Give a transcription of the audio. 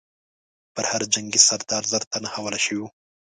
پر هر جنګي سردار زر تنه حواله شوي وو.